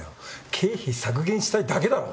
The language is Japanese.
経費削減したいだけだろ？